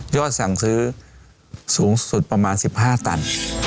สั่งซื้อสูงสุดประมาณ๑๕ตัน